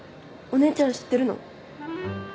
お姉ちゃん知ってるの？